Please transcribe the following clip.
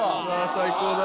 最高だ。